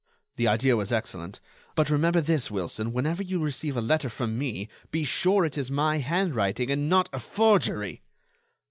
The idea was excellent.... But remember this, Wilson, whenever you receive a letter from me, be sure it is my handwriting and not a forgery."